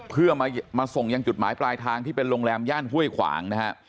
เพื่อมาส่งยังจุดหมายปลายทางที่เป็นโรงแรมย่านห้วยขวางนะฮะ